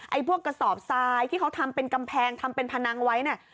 พวกกระสอบทรายที่เขาทำเป็นกำแพงทำเป็นพนังไว้เนี่ย